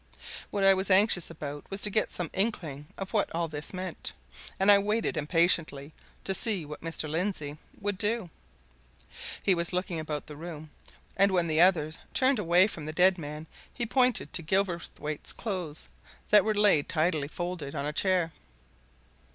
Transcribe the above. What I was anxious about was to get some inkling of what all this meant, and I waited impatiently to see what Mr. Lindsey would do. He was looking about the room, and when the others turned away from the dead man he pointed to Gilverthwaite's clothes, that were laid tidily folded on a chair.